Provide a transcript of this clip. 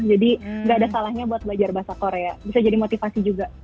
jadi gak ada salahnya buat belajar bahasa korea bisa jadi motivasi juga